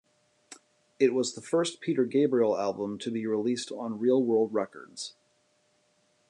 It was the first Peter Gabriel album to be released on Real World Records.